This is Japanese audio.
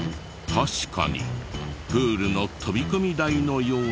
確かにプールの飛び込み台のようなものが。